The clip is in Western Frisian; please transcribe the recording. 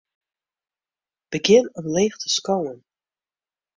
Begjin omleech te skowen.